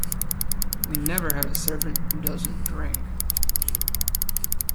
We never have a servant who doesn't drink.